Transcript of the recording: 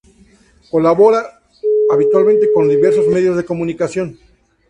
Colabora habitualmente con diversos medios de comunicación